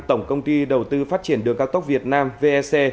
tổng công ty đầu tư phát triển đường cao tốc việt nam vec